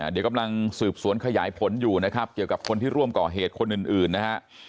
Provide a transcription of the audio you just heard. เดี๋ยวกำลังสืบสวนขยายผลอยู่นะครับเกี่ยวกับคนที่ร่วมก่อเหตุคนอื่นนะฮะ